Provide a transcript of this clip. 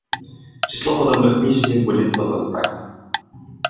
Число подобных миссий будет возрастать.